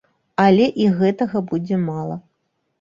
Але і гэтага будзе мала.